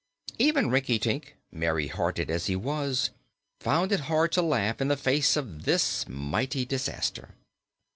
Even Rinkitink, merry hearted as he was, found it hard to laugh in the face of this mighty disaster.